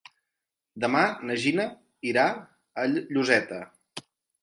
Demà na Gina irà a Lloseta.